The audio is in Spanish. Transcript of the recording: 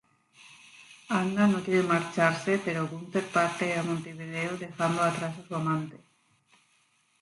Anna no quiere marcharse pero Gunther parte a Montevideo dejando atrás a su amante.